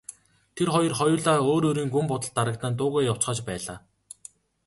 Тэр хоёр хоёулаа өөр өөрийн гүн бодолд дарагдан дуугүй явцгааж байлаа.